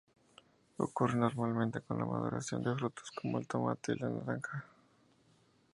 Ocurre normalmente con la maduración de frutos como el tomate y la naranja.